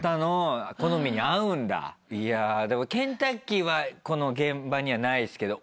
いやでもケンタッキーはこの現場にはないっすけど。